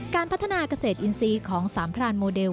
การพัฒนาเกษตรอินทรีย์ของสามพรานโมเดล